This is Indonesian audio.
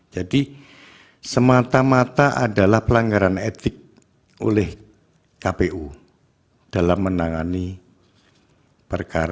jadi semata mata adalah pelanggaran etik oleh kpu dalam menangani perkara